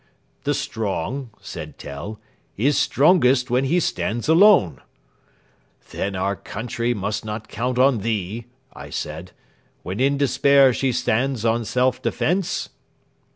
"'The strong,' said Tell, 'is strongest when he stands alone.' "'Then our country must not count on thee,' I said, 'when in despair she stands on self defence?'